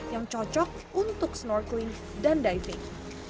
yang cocok untuk snorkeling dan diving